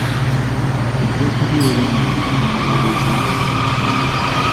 Ejja kubeera mu buli ggombolola ezaalondebwa.